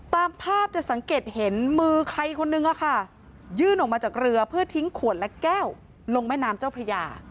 ตามภาพจะสังเกตเห็นมือใครคนนึงยื่นออกมาจากเรือเพื่อทิ้งขวดและแก้วลงแม่น้ำเจ้าพระยา